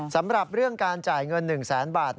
สำหรับเรื่องการจ่ายเงิน๑แสนบาท